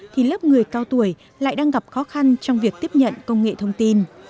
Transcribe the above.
thì lớp người cao tuổi lại đang gặp khó khăn trong việc tiếp nhận công nghệ thông tin